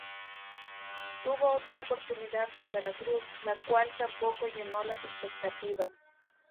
Tuvo otra oportunidad con Veracruz, la cual tampoco llenó las expectativas.